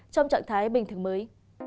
trong trạng thái bình thường mới